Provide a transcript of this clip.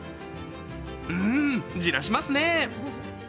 ん、じらしますね。